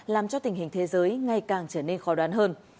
làm cho tình hình thế giới ngày càng trở nên khó đoán hơn